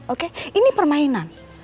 oke ini permainan